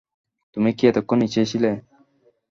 তুমি কি এতক্ষণ নিচেই ছিলে?